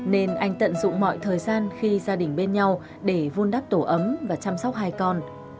nên anh tận dụng mọi thời gian khi gia đình bên nhau để vun đắp tổ ấm và chăm sóc hai con